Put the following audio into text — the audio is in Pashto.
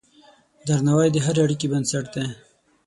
درناوی د هرې اړیکې بنسټ دی.